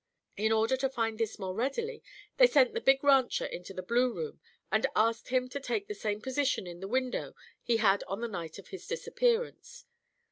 In order to find this the more readily, they sent the big rancher into the blue room and asked him to take the same position in the window he had on the night of his disappearance.